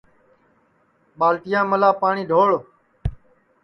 ٻالٹیا میلا پاٹؔی ڈھوڑ